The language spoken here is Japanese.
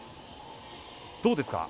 どうですか？